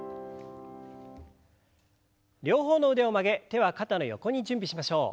両方の腕を曲げ手は肩の横に準備しましょう。